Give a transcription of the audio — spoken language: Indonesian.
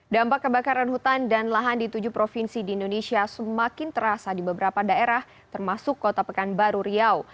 dampak kebakaran hutan dan lahan di tujuh provinsi di indonesia semakin terasa di beberapa daerah termasuk kota pekanbaru riau